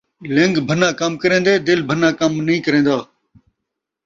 لن٘ڳ بھنّاں کم کرین٘دے ، دل بھنّاں کم نئیں کرین٘دا